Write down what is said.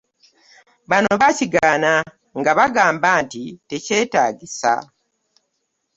Bano baakigaana nga bagamba nti tekyetaagisa.